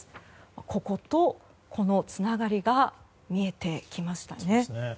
ここと、このつながりが見えてきましたね。